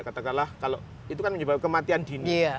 katakanlah kalau itu kan menyebabkan kematian dini